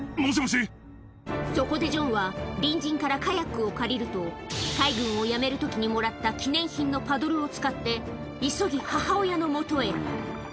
そこでジョンは、隣人からカヤックを借りると、海軍を辞めるときにもらった記念品のパドルを使って、急ぎ、母親の元へ。